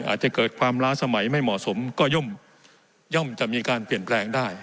อาจจะเกิดความล้าสมัยไม่เหมาะสมก็ย่อมจะมีการเปลี่ยนแปลงได้